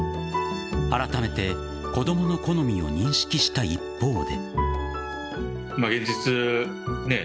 あらためて子供の好みを認識した一方で。